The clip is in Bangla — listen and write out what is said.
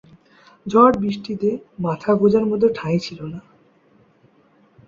ঝড় বৃষ্টিতে মাথা গোজার মত ঠাঁই ছিল না।